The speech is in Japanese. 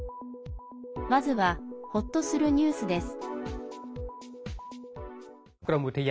まずは、ほっとするニュースです。